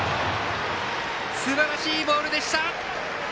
すばらしいボールでした！